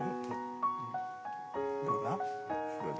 どうだ？